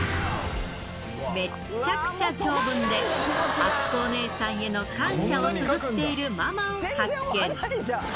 めっちゃくちゃ長文で、あつこお姉さんへの感謝をつづっているママを発見。